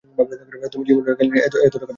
তুমি জীবনেও এককালীন এত টাকা দিতে পারবে না।